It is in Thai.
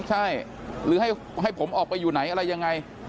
ใช่หรือให้ผมออกไปอยู่ไหนอะไรยังไง